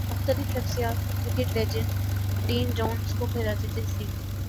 مختلف شخصیات کا کرکٹ لیجنڈ ڈین جونز کو خراج تحسین